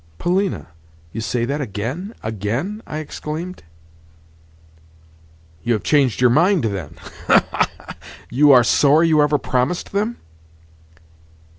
"Polina, you say that again, again?" I exclaimed. "You have changed your mind, then? Ha, ha, ha! You are sorry you ever promised them?"